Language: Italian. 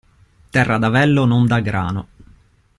Terra d'avello non dà grano!